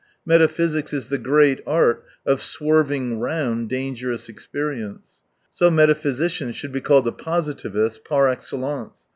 Metaphysics is the great art of swerving round dangerous experience. So metaphysicians should be called the positivists par excellence.